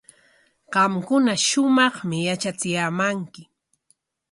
Qamkuna shumaqmi yatrachiyaamanki.